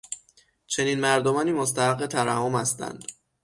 چنین مردمانی مستحق ترحم هستند.